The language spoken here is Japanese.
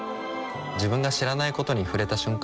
自分が知らないことに触れた瞬間